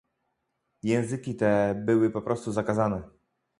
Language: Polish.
Języki te były po prostu zakazane